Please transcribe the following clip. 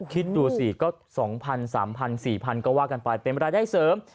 คิดดูสิก็๒๐๐๓๐๐๔๐๐ก็ว่ากันไปเป็นรายได้เสริม